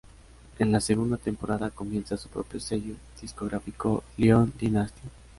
En la segunda temporada, comienza su propio sello discográfico: Lyon Dynasty.